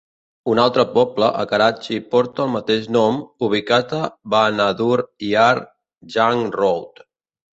Un altre poble a Karachi porta el mateix nom, ubicat a Bahadur Yar Jang Road.